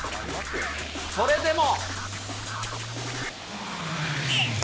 それでも。